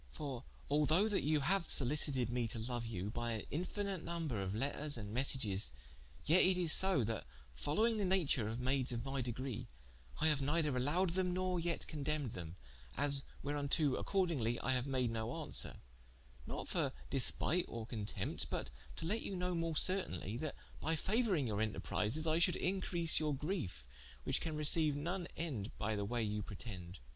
For although that you haue sollicited mee to loue you, by an infinite nomber of letters and messages, yet it is so, that following the nature of maydes of my degree, I haue neither allowed them, nor yet condempned them, as wherunto accordingly I haue made no aunswere: not for despite or contempt, but to let you know more certainly, that by fauouring your enterprises, I should increase your griefe, which can receiue none ende by the waye you pretende.